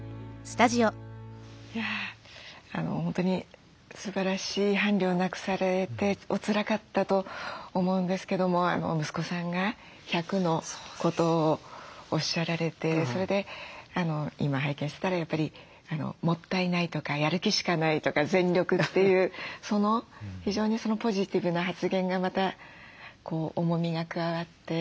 本当にすばらしい伴侶を亡くされておつらかったと思うんですけども息子さんが１００のことをおっしゃられてそれで今拝見してたらやっぱり「もったいない」とか「やる気しかない」とか「全力」っていう非常にポジティブな発言がまたこう重みが加わって。